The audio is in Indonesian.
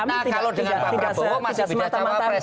nah kalau dengan pak prabowo masih bisa cawapres